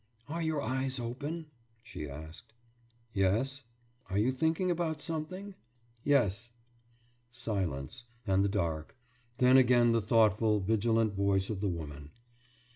»Are your eyes open?« she asked. »Yes.« »Are you thinking about something?« »Yes.« Silence and the dark. Then again the thoughtful, vigilant voice of the woman.